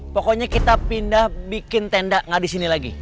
pokoknya kita pindah bikin tenda gak disini lagi